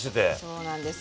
そうなんです。